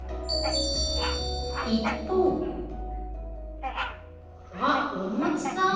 一方あっおもちさん！